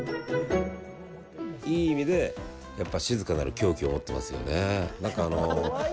いい意味で静かなる狂気を持ってますよね。